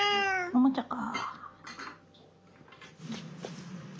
おもちゃか。